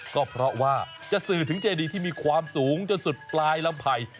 ก็เพราะว่าจะสื่อถึงเจดีที่มีความสูงจนสุดปลายลำไผ่